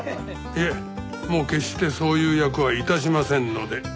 いえもう決してそういう役は致しませんので。